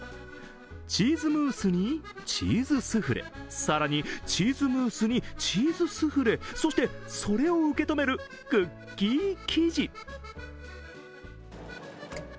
チーズムースにチーズスフレ、更にチーズムースに、チーズスフレ、そしてそれを受け止めるクッキー生地。